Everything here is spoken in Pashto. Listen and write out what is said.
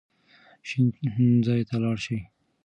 شین ځای ته لاړ شئ.